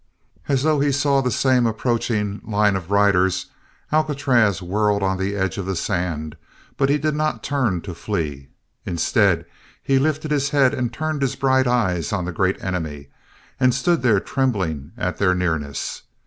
As though he saw the same approaching line of riders, Alcatraz whirled on the edge of the sand, but he did not turn to flee. Instead, he lifted his head and turned his bright eyes on the Great Enemy, and stood there trembling at their nearness!